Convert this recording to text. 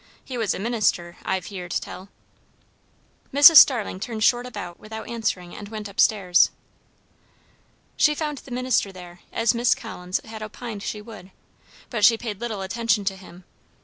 He was a minister, I've heerd tell." Mrs. Starling turned short about without answering and went up stairs. She found the minister there, as Miss Collins had opined she would; but she paid little attention to him.